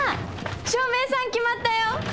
照明さん決まったよ！